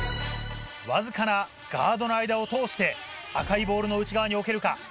わずかなガードの間を通して赤いボールの内側に置けるか。